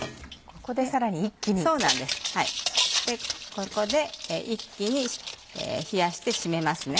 ここで一気に冷やして締めますね。